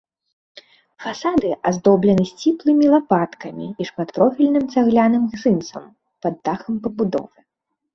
Фасады аздоблены сціплымі лапаткамі і шматпрофільным цагляным гзымсам пад дахам пабудовы.